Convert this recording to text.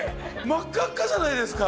真っ赤っかじゃないですか。